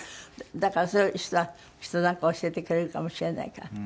だからそういう人なんかは教えてくれるかもしれないから。